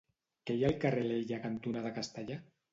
Què hi ha al carrer Alella cantonada Castellar?